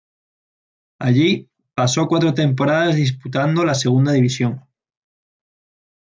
Allí, pasó cuatro temporadas disputando la Segunda División.